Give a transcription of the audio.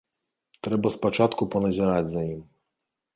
Трэба спачатку паназіраць за ім.